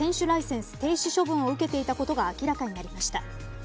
ライセンス停止処分を受けていたことが明らかになりました。